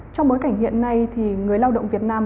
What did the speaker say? trong bối cảnh hiện nay thì người lao động việt nam